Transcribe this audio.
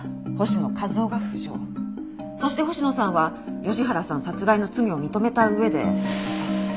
そして星野さんは吉原さん殺害の罪を認めた上で自殺。